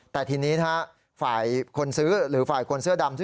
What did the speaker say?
แต่ทีนี้นะฮะฝ่ายคนซื้อหรือฝ่ายคนเสื้อดำ